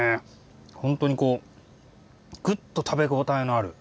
本当にこうグッと食べ応えのある。